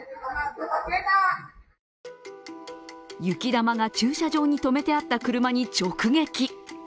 雪玉が駐車場に止めてあった車に直撃。